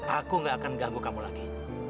aku gak akan ganggu kamu lagi